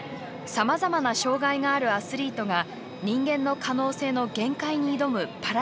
さまざまな障がいがあるアスリートが人間の可能性の限界に挑むパラ